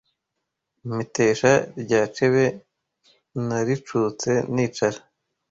Impetesha rya cebe Naricutse nicara